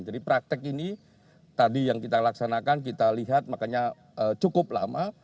jadi praktek ini tadi yang kita laksanakan kita lihat makanya cukup lama